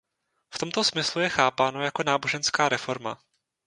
V tomto smyslu je chápáno jako náboženská reforma.